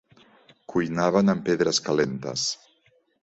Cuinaven amb pedres calentes.